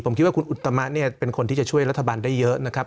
ผมคิดว่าคุณอุตมะเนี่ยเป็นคนที่จะช่วยรัฐบาลได้เยอะนะครับ